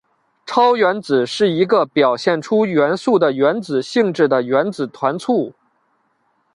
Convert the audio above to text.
超原子是一个表现出元素的原子性质的原子团簇。